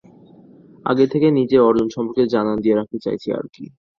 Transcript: আগে থেকেই নিজের অর্জন সম্পর্কে জানান দিয়ে রাখতে চাইছি আরকি।